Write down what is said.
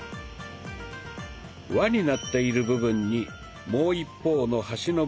輪になっている部分にもう一方の端の部分を通して固定します。